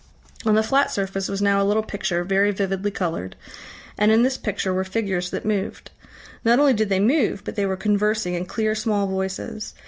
On the flat surface was now a little picture, very vividly coloured, and in this picture were figures that moved. Not only did they move, but they were conversing in clear small voices.